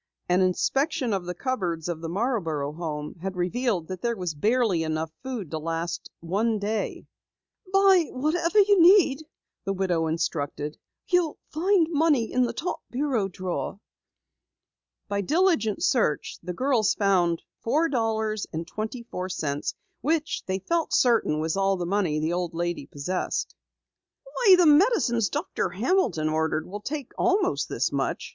An inspection of the cupboards of the Marborough home had revealed that there was barely enough food to last a day. "Buy whatever you need," the widow instructed. "You'll find money in the top bureau drawer." By diligent search, the girls found four dollars and twenty four cents which they felt certain was all the money the old lady possessed. "Why, the medicines Doctor Hamilton ordered will take almost this much!"